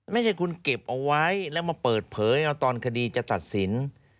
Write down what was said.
ไม่ใช่คุณเก็บเอาไว้แล้วมาเปิดเผยตอนคดีจะตัดสิน